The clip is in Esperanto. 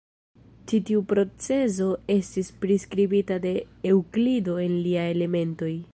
Ĉi tiu procezo estis priskribita de Eŭklido en lia "Elementoj".